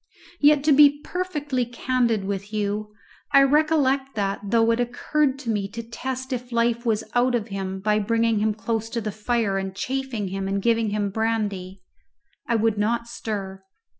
Yet, to be perfectly candid with you, I recollect that, though it occurred to me to test if life was out of him by bringing him close to the fire and chafing him and giving him brandy, I would not stir.